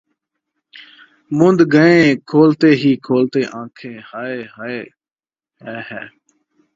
مُند گئیں کھولتے ہی کھولتے آنکھیں ہَے ہَے!